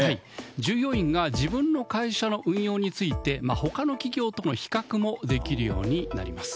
従業員が自分の会社の運用について他の企業との比較もできるようになります。